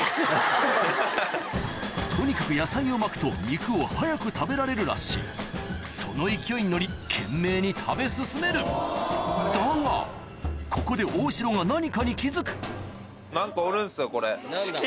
とにかく野菜を巻くと肉を早く食べられるらしいその勢いに乗り懸命に食べ進めるだがここで大城がえ！